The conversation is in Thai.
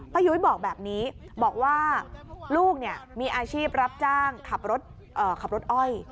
ยุ้ยบอกแบบนี้บอกว่าลูกมีอาชีพรับจ้างขับรถขับรถอ้อย